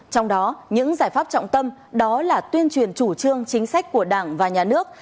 trong đó những giải pháp trọng tâm đó là tuyên truyền chủ trương chính sách của đảng và nhà nước